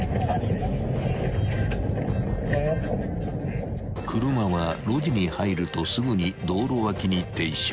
［車は路地に入るとすぐに道路脇に停車］